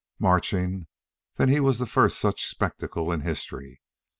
Marching, then he was the first such spectacle in history.